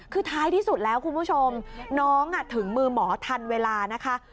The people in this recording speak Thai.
คือท้ายที่สุดแล้วคุณผู้ชมน้องถึงมือหมอทันเวลานะคะ